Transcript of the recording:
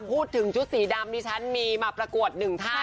พูดถึงชุดสีดำดิฉันมีมาประกวดหนึ่งท่าน